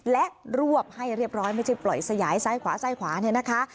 และรวบให้เรียบร้อยไม่ใช่ปล่อยสยายซ้ายขวาซ้ายขวาเนี่ยนะคะ